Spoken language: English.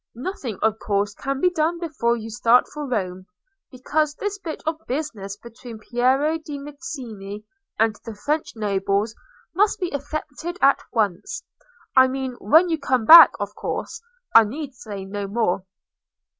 Nothing of course can be done before you start for Rome, because this bit of business between Piero de' Medici and the French nobles must be effected at once. I mean when you come back, of course; I need say no more.